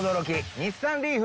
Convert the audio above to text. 日産リーフ！